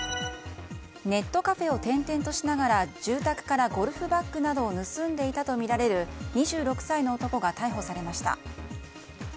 ネットカフェを転々としながら住宅からゴルフバッグなどを盗んでいたとみられる２６歳の男が逮捕されました。